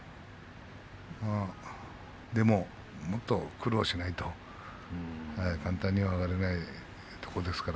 でも、もっと苦労しないと簡単には上がれないところですから。